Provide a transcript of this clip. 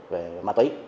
về ma túy